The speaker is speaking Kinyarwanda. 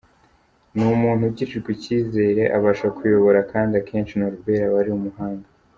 Ni umuntu ugirirwa icyizere, abasha kuyobora kandi akenshi Norbert aba ari umuhanga.